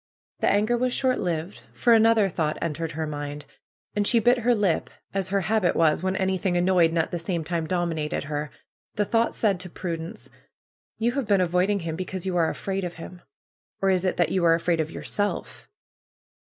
The anger was short lived. For another thought en tered her mind. And she bit her lip, as her habit was when anything annoyed and at the same time domi nated her. The thought said to Prudence: '^You have been avoiding him because you are afraid of him. Or fs it that you are afraid of yourself?